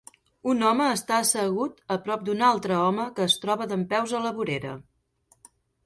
Un home està assegut a prop d'un altre home que es troba dempeus a la vorera.